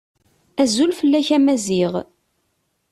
Azul fell-ak a Maziɣ.